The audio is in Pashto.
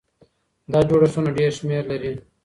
دا جوړښتونه ډېر شمېر لري.